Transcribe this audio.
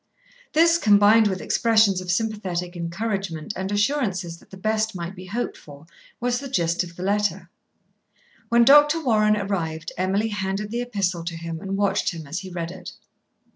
This, combined with expressions of sympathetic encouragement and assurances that the best might be hoped for, was the gist of the letter. When Dr. Warren arrived, Emily handed the epistle to him and watched him as he read it.